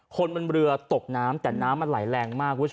คนบนเรือตกน้ำแต่น้ำมันไหลแรงมาก